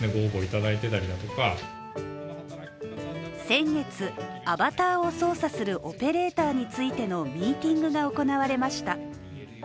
先月、アバターを操作するオペレーターについてのミーティングが行われました。